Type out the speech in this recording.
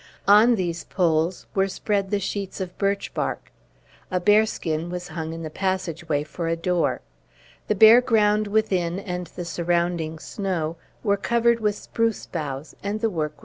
On these poles were spread the sheets of birch bark; a bear skin was hung in the passage way for a door; the bare ground within and the surrounding snow were covered with spruce boughs; and the work was done.